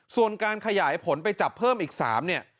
ส่วนการขยายผลไปจับเพิ่มอีก๓เนี่ย